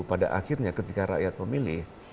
pada akhirnya ketika rakyat memilih